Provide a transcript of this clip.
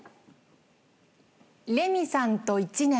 レミさんと１年。